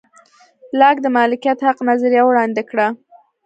لاک د مالکیت حق نظریه وړاندې کړه.